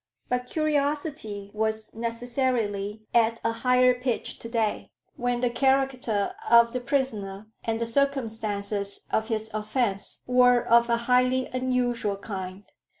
But curiosity was necessarily at a higher pitch to day, when the character of the prisoner and the circumstances of his offence were of a highly unusual kind.